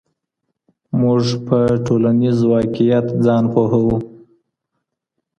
موږ په ټولنیز واقعیت ځان پوهوو.